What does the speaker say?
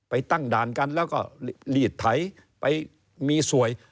ไปตั้งดารกันแล้วก็หลีดท้ายไปมีสวย